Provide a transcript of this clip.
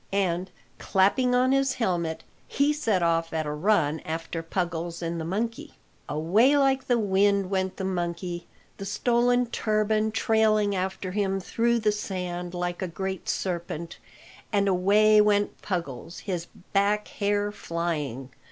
and, clapping on his helmet, he set off at a run after Puggles and the monkey. Away like the wind went the monkey, the stolen turban trailing after him through the sand like a great serpent; and away went Puggles, his back hair flying.